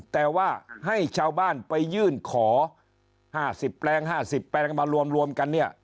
แต่ว่าให้ชาวบ้านไปยื่นขอห้าสิบแปลงห้าสิบแปลงมารวมรวมกันเนี่ย